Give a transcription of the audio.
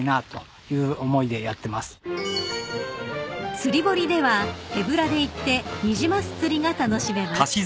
［釣り堀では手ぶらで行ってニジマス釣りが楽しめます］